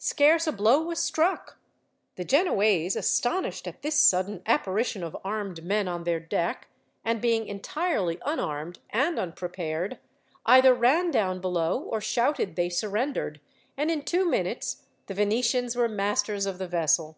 Scarce a blow was struck. The Genoese, astonished at this sudden apparition of armed men on their deck, and being entirely unarmed and unprepared, either ran down below or shouted they surrendered, and in two minutes the Venetians were masters of the vessel.